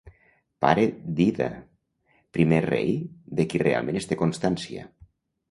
Pare d'Ida, primer rei de qui realment es té constància.